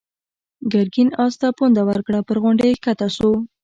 ګرګين آس ته پونده ورکړه، پر غونډۍ کښته شو.